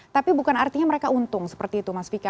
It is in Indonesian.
tapi bukan artinya mereka untung seperti itu mas vika